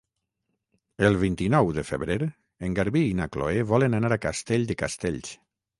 El vint-i-nou de febrer en Garbí i na Chloé volen anar a Castell de Castells.